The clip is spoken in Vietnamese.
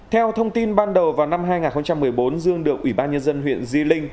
theo thông tin ban đầu vào năm hai nghìn một mươi bốn dương được ủy ban nhân dân huyện di linh